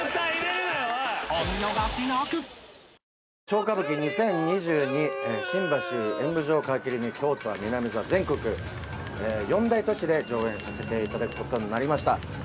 『超歌舞伎２０２２』新橋演舞場を皮切りに京都は南座全国四大都市で上演させていただくことになりました。